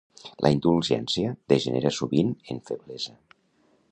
La indulgència degenera sovint en feblesa.